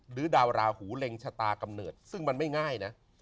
ดาวราหูเล็งชะตากำเนิดซึ่งมันไม่ง่ายนะ